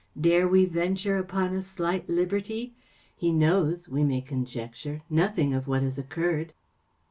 Dare we ven¬ ture upon a slight liberty ? He knows, we may conjecture, nothing of what has occurred."